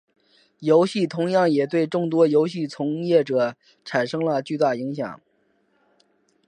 游戏同样也对众多游戏从业者产生了巨大影响。